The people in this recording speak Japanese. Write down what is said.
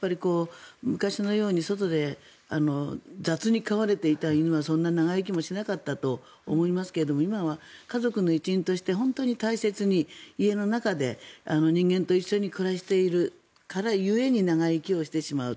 昔のように外で雑に飼われていた犬はそんなに長生きもしなかったと思いますけども今は家族の一員として本当に大切に家の中で人間と一緒に暮らしている故に長生きをしてしまうと。